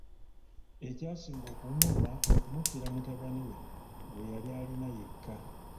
Ekyasinga okumuluma kwe kumuttira mutabani we gwe yali alina yekka.